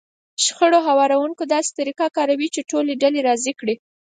د شخړو هواروونکی داسې طريقه کاروي چې ټولې ډلې راضي کړي.